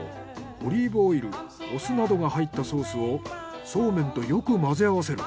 オリーブオイルお酢などが入ったソースをそうめんとよく混ぜ合わせる。